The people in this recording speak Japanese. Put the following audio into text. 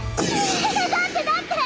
だってだって！